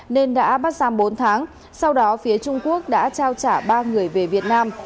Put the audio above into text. nên đã bắt giam bốn tháng sau đó phía trung quốc đã trao trả ba người về việt nam